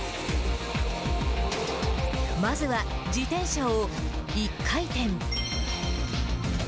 まずは、自転車を１回転。